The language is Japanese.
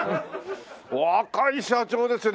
若い社長ですね。